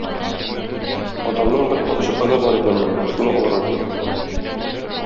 Атамның бер капчык оны бар икән монда, шуны алырга килдем.